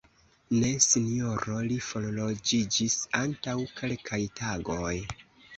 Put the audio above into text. Ne Sinjoro, li forloĝiĝis antaŭ kelkaj tagoj.